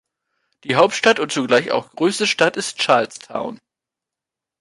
Die Hauptstadt und zugleich auch größte Stadt ist Charlestown.